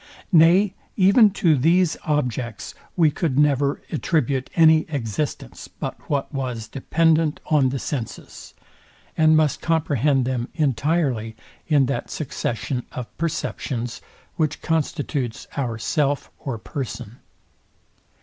Nay, even to these objects we could never attribute any existence, but what was dependent on the senses; and must comprehend them entirely in that succession of perceptions, which constitutes our self or person.